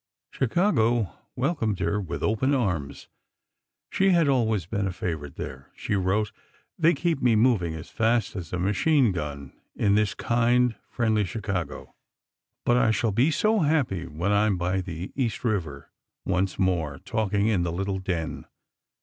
Chicago welcomed her with open arms: she had always been a favorite there. She wrote: "They keep me moving as fast as a machine gun in this kind, friendly Chicago. But I shall be so happy when I am by the East River, once more, talking in the little den."